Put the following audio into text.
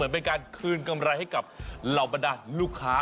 เป็นการคืนกำไรให้กับเหล่าบรรดาลูกค้า